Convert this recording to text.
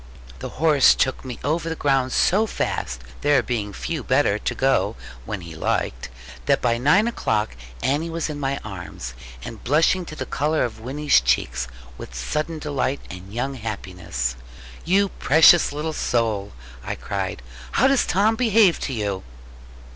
The horse took me over the ground so fast (there being few better to go when he liked), that by nine o'clock Annie was in my arms, and blushing to the colour of Winnie's cheeks, with sudden delight and young happiness. 'You precious little soul!' I cried: 'how does Tom behave to you?'